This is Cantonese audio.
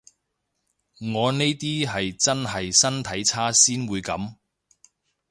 我呢啲係真係身體差先會噉